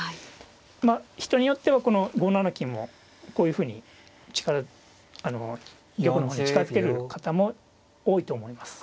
まあ人によってはこの５七金もこういうふうに玉の方に近づける方も多いと思います。